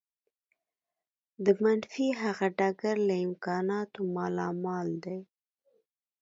د منفي هغه ډګر له امکاناتو مالامال دی.